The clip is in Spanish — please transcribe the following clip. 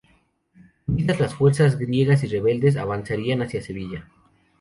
Unidas las fuerzas griegas y rebeldes, avanzarían hacia Sevilla.